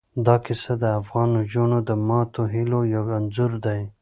دا کیسه د افغان نجونو د ماتو هیلو یو انځور دی.